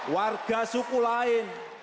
warga suku lain